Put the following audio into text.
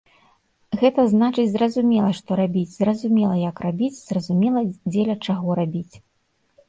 Гэта значыць зразумела што рабіць, зразумела як рабіць, зразумела дзеля чаго рабіць.